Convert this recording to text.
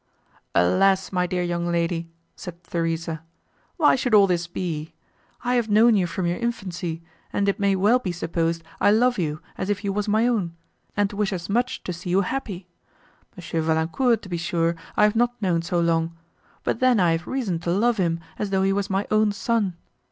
"Alas! my dear young lady!" said Theresa, "why should all this be? I have known you from your infancy, and it may well be supposed I love you, as if you were my own, and wish as much to see you happy. M. Valancourt, to be sure, I have not known so long, but then I have reason to love him, as though he was my own son.